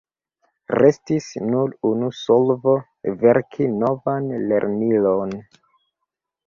Restis nur unu solvo: verki novan lernilon.